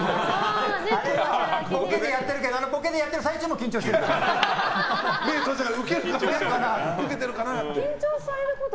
あれは、ボケでやってるけどそのボケでやっている最中もウケてるかなって。